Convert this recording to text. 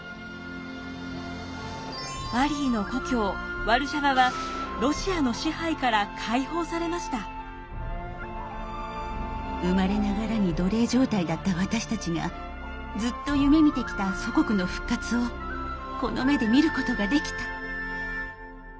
マリーの故郷ワルシャワは生まれながらに奴隷状態だった私たちがずっと夢みてきた祖国の復活をこの目で見ることができた。